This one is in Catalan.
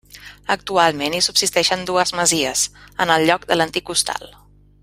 Actualment hi subsisteixen dues masies, en el lloc de l'antic hostal.